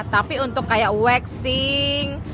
tapi untuk kayak waxing